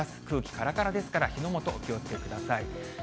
空気からからですから、火の元お気をつけください。